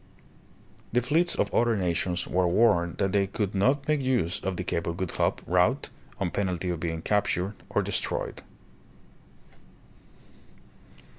The fleets of other nations were warned that they could not make use of the Cape of Good Hope route, on penalty of being captured or destroyed.